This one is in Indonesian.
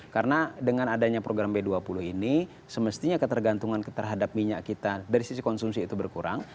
karena dengan adanya program b dua puluh ini semestinya ketergantungan terhadap minyak kita dari sisi konsumsi itu berkurang